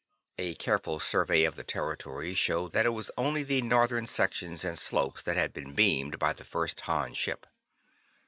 A careful survey of the territory showed that it was only the northern sections and slopes that had been "beamed" by the first Han ship.